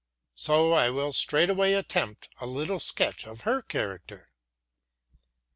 So I will straightway attempt a little sketch of her character.